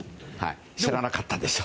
知らなかったでしょ。